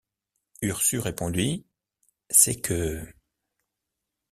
Ursus répondit: — C’est que...